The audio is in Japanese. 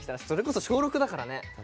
それこそ小６だからね。